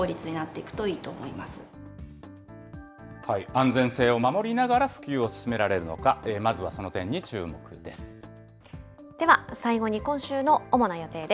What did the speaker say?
安全性を守りながら普及を進められるのか、まずはその点に注では、最後に今週の主な予定